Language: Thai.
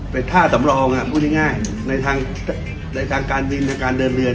เป็นท่าสำรองพูดง่ายในทางการบินทางการเดินเรือ